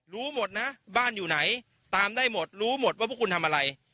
รู้หมดนะบ้านอยู่ไหนตามได้หมดรู้หมดว่าพวกคุณทำอะไร